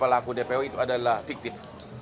pelaku dpo itu adalah fiktif